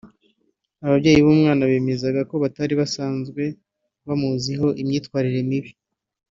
Ababyeyi b'uyu mwana bemezaga ko batari basanzwe bamuziho imyitwarire mibi